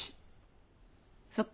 そっか。